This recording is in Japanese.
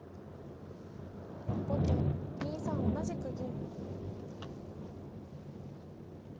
後手２三同じく銀。